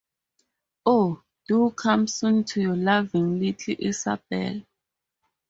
Oh, do come soon to your loving "Little Isabelle."